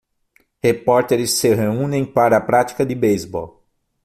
Repórteres se reúnem para a prática de beisebol.